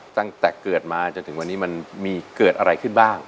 ตั้งแต่เกิดมาจนถึงวันนี้มันมีเกิดอะไรขึ้นบ้าง